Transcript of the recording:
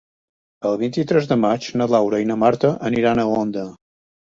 El vint-i-tres de maig na Laura i na Marta aniran a Onda.